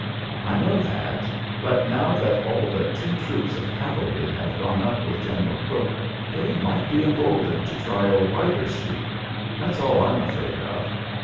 "I know that; but now that all but two troops of cavalry have gone up with General Crook they might be emboldened to try a wider sweep. That's all I'm afraid of."